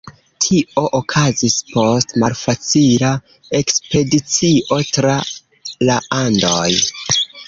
Tio okazis post malfacila ekspedicio tra la Andoj.